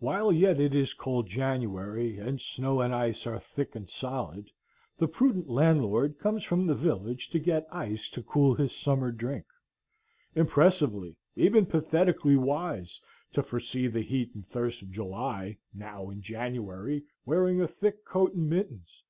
While yet it is cold January, and snow and ice are thick and solid, the prudent landlord comes from the village to get ice to cool his summer drink; impressively, even pathetically wise, to foresee the heat and thirst of July now in January,—wearing a thick coat and mittens!